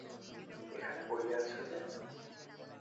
এখানে পড়িয়া আছ যে?